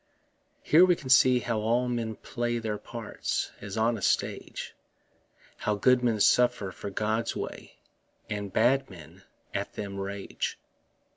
Here we can see how all men play Theirs parts, as on a stage How good men suffer for God's way, And bad men at them rage.